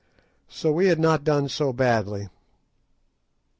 So we had not done so badly.